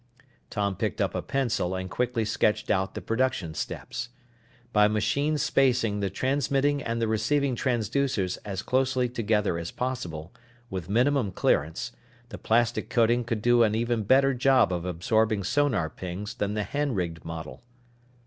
Tom picked up a pencil and quickly sketched out the production steps. By machine spacing the transmitting and the receiving transducers as closely together as possible, with minimum clearance, the plastic coating could do an even better job of absorbing sonar pings than the hand rigged model.